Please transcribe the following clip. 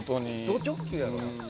ど直球やろ。